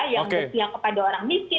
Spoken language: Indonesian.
yang berpihak kepada orang miskin